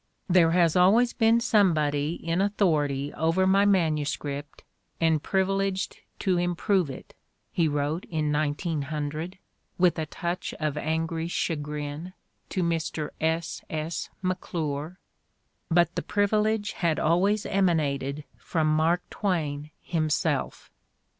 "There has always been somebody in authority over my manuscript and privileged to im prove it," he wrote in 1900, with a touch of angry chagrin, to Mr. S. S. McClure. But the privilege had always emanated from Mark Twain himself.